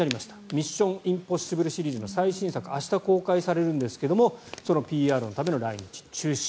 「ミッション：インポッシブル」シリーズの最新作明日公開されるんですがそのＰＲのための来日が中止。